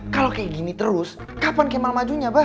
kalau kayak gini terus kapan kemal majunya